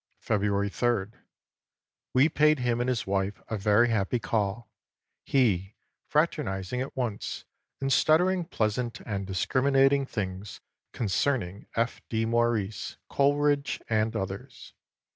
"February 3d. We paid him and his wife a very happy call; he fraternising at once, and stuttering pleasant and discriminating things concerning F. D. Maurice, Coleridge and others.